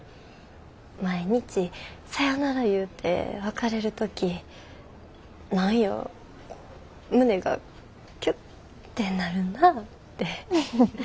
毎日さよなら言うて別れる時何や胸がキュッてなるなぁて。